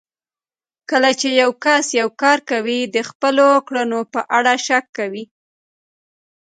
کله چې يو کس يو کار کوي د خپلو کړنو په اړه شک کوي.